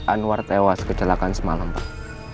anwar tewas kecelakaan semalam pak